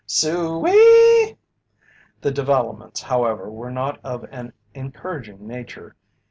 Soo ee!" The developments, however, were not of an encouraging nature.